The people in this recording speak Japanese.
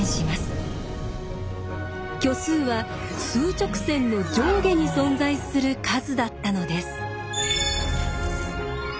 虚数は数直線の上下に存在する数だったのです。